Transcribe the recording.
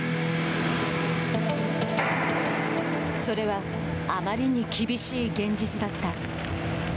それはあまりに厳しい現実だった。